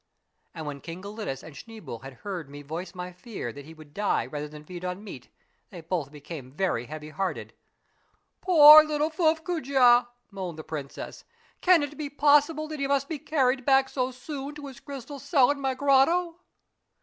" And when King Gelidus and Schneeboule had heard me voice my fear that he would die rather than feed on meat, they both became very heavy hearted. "Poor little Fuffcoojah!" moaned the princess, "can it be possible that he must be carried back so soon to his crystal cell in my grotto